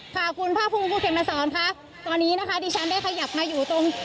ค่ะคุณภาคภูมิคุณเข็มมาสอนค่ะตอนนี้นะคะดิฉันได้ขยับมาอยู่ตรง